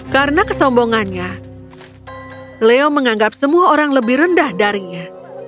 karena kesombongannya leo menganggap semua orang lebih rendah darinya